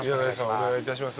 お願いいたします。